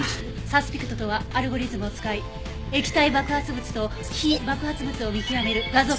サスピクトとはアルゴリズムを使い液体爆発物と非爆発物を見極める画像解析ソフトです。